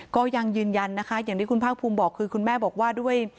ก็ยังยืนยันนะคะอย่างที่คุณภาคภูมิบอกคือคุณแม่บอกว่าด้วย